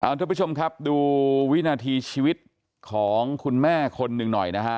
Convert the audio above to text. ทุกผู้ชมครับดูวินาทีชีวิตของคุณแม่คนหนึ่งหน่อยนะฮะ